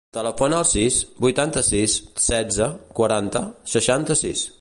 Telefona al sis, vuitanta-sis, setze, quaranta, seixanta-sis.